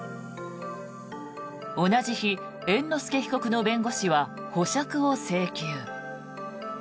同じ日、猿之助被告の弁護士は保釈を請求。